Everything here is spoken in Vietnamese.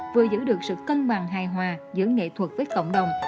vừa giữ được sự cân bằng hài hòa giữa nghệ thuật với cộng đồng